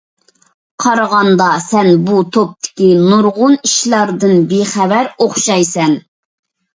قارىغاندا سەن بۇ توپتىكى نۇرغۇن ئىشلاردىن بىخەۋەر ئوخشايسەن.